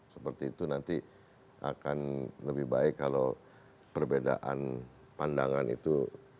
seperti itu nanti akan lebih baik kalau perbedaan pandangan itu